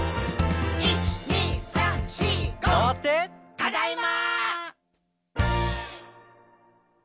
「ただいま！」